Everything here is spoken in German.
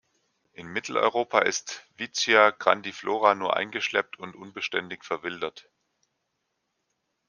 In Mitteleuropa ist "Vicia grandiflora" nur eingeschleppt und unbeständig verwildert.